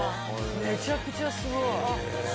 めちゃくちゃすごい。